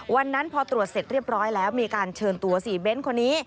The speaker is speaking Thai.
วันนั้นพอตรวจเสร็จเรียบร้อยแล้วมีการเชิญตัวสี่เบ้นคนนี้